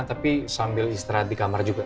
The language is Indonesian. tapi sambil istirahat di kamar juga